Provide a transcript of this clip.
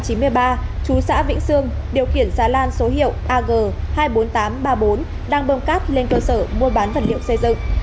chú xã vĩnh sương điều khiển xà lan số hiệu ag hai mươi bốn nghìn tám trăm ba mươi bốn đang bơm cát lên cơ sở mua bán vật liệu xây dựng